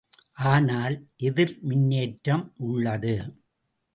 ஆனால் எதிர்மின்னேற்றம் உள்ளது.